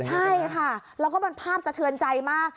ใช่ค่ะแล้วก็เป็นภาพสะเทือนใจมาก